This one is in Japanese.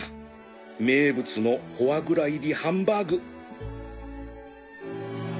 名物のフォアグラ入りハンバーグ